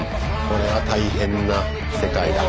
これは大変な世界だ。